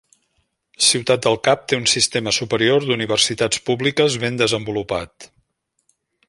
Ciutat del Cap té un sistema superior d'universitats públiques ben desenvolupat.